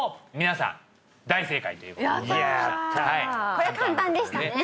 これ簡単でしたねねえ